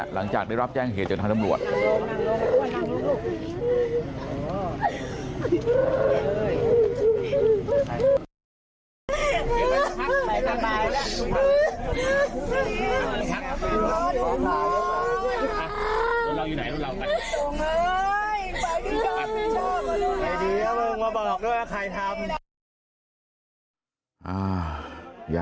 หลังจากได้รับแจ้งเหตุจนทางตำรวจ